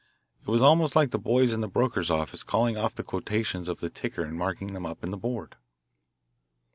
It was almost like the boys in a broker's office calling off the quotations of the ticker and marking them up on the board.